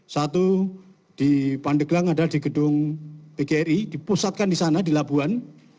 satu di pandeglang adalah di gedung pgri dipusatkan di sana di labuan